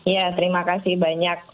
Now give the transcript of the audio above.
ya terima kasih banyak